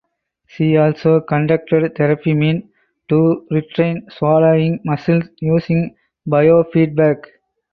She also conducted therapy meant to retrain swallowing muscles using biofeedback.